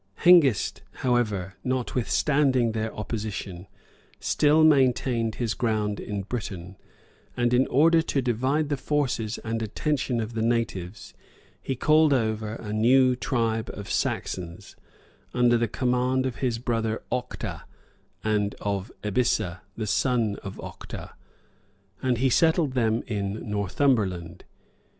] Hengist, however, notwithstanding their opposition, still maintained his ground in Britain and in order to divide the forces and attention of the natives he called over a new tribe of Saxons, under the command of his brother Octa, and of Ebissa, the son of Octa; and he settled them in Northumberland.